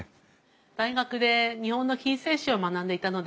大学で日本の近世史を学んでいたので。